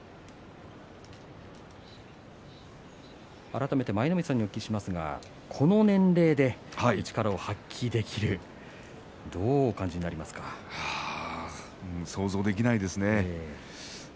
改めて舞の海さんにお聞きしますが、この年齢で力を発揮できる想像できないですね。